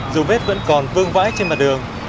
dù vết vẫn còn vương vãi trên mặt đường